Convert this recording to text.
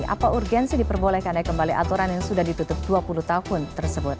apa urgensi diperbolehkannya kembali aturan yang sudah ditutup dua puluh tahun tersebut